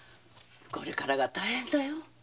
これからが大変だよ。